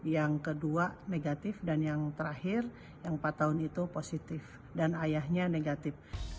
yang kedua negatif dan yang terakhir yang empat tahun itu positif